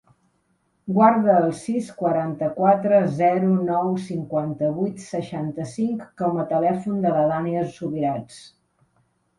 Guarda el sis, quaranta-quatre, zero, nou, cinquanta-vuit, seixanta-cinc com a telèfon de la Dània Subirats.